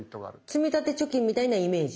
積立貯金みたいなイメージ。